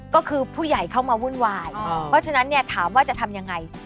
ก็คือผู้ใหญ่เข้ามาวุ่นวายเพราะฉะนั้นเนี่ยถามว่าจะทำยังไง